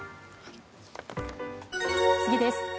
次です。